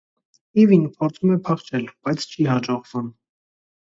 Իվին փորձում է փախչել, բայց չի հաջողվում։